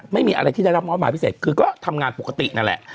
ไม่มีอะไรที่ได้รับมอบหมายพิเศษคือก็ทำงานปกตินั่นแหละ